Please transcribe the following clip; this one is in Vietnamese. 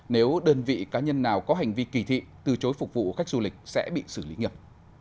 nếu đơn vị cá nhân nào có hành vi kỳ thị từ chối phục vụ khách du lịch sẽ bị xử lý nghiệp